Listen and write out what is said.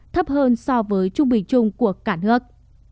thấp hơn so với trung bình chung của cả nước